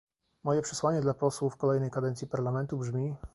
Moje przesłanie dla posłów kolejnej kadencji Parlamentu brzmi